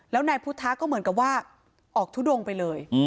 แล้วนายพุทธะก็เหมือนกับว่าออกทุดงไปเลย